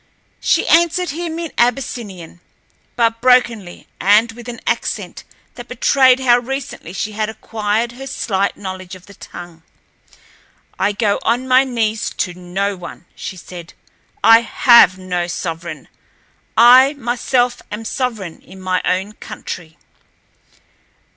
She answered him in Abyssinian, but brokenly and with an accent that betrayed how recently she had acquired her slight knowledge of the tongue. "I go on my knees to no one," she said. "I have no sovereign. I myself am sovereign in my own country."